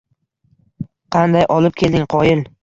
Qanday olib kelding, qoyil